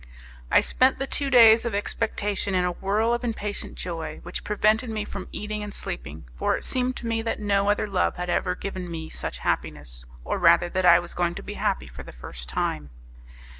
I spent the two days of expectation in a whirl of impatient joy, which prevented me from eating and sleeping; for it seemed to me that no other love had ever given me such happiness, or rather that I was going to be happy for the first time.